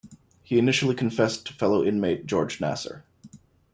He initially confessed to fellow inmate George Nassar.